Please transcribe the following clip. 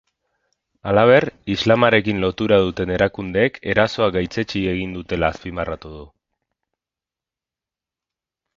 Halaber, islamarekin lotura duten erakundeek erasoa gaitzetsi egin dutela azpimarratu du.